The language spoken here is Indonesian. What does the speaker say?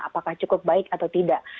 apakah cukup baik atau tidak